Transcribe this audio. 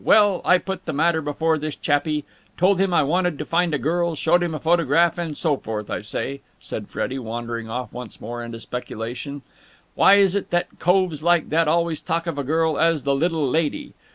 Well, I put the matter before this chappie. Told him I wanted to find a girl, showed him a photograph, and so forth. I say," said Freddie, wandering off once more into speculation, "why is it that coves like that always talk of a girl as 'the little lady'?